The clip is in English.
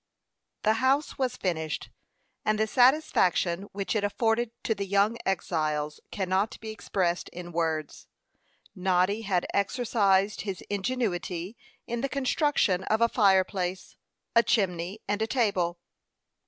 The house was finished, and the satisfaction which it afforded to the young exiles cannot be expressed in words. Noddy had exercised his ingenuity in the construction of a fireplace, a chimney, and a table.